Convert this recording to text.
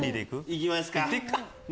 行きますか。